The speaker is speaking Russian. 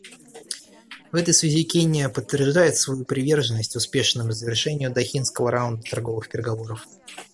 В этой связи Кения подтверждает свою приверженность успешному завершению Дохинского раунда торговых переговоров.